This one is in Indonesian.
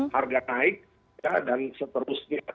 harga naik dan seterusnya